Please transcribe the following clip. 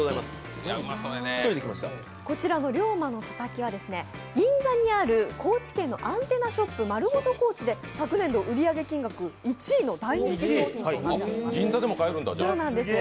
こちらの龍馬タタキは銀座にある高知県のアンテナショップ、まるごと高知で昨年度売上金額１位の大人気商品となっています。